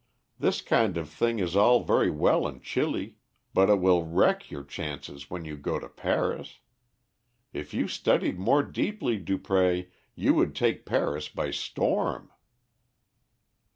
This kind of thing is all very well in Chili, but it will wreck your chances when you go to Paris. If you studied more deeply, Dupré, you would take Paris by storm."